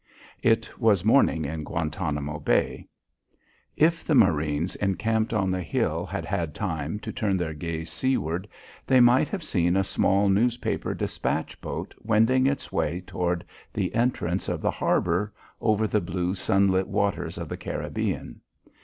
It was morning in Guantanamo Bay. If the marines encamped on the hill had had time to turn their gaze seaward, they might have seen a small newspaper despatch boat wending its way toward the entrance of the harbour over the blue, sunlit waters of the Caribbean.